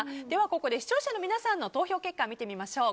ここで視聴者の皆さんの投票結果を見てみましょう。